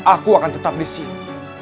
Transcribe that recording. aku akan tetap di sini